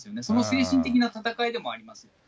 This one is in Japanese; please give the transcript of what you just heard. その精神的な戦いでもあります。